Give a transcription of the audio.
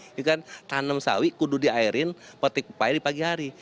itu kan tanam sawi kudu diairin potik upaya di pagi hari